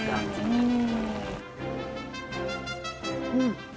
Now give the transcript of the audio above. うん。